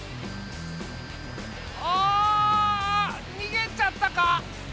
ああにげちゃったか。